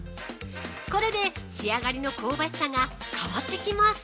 これで、仕上がりの香ばしさが変わってきます。